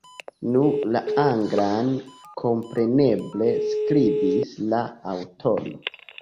Nu, la anglan, kompreneble, skribis la aŭtoro.